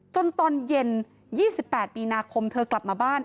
ตอนเย็น๒๘มีนาคมเธอกลับมาบ้าน